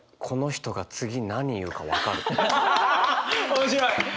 面白い！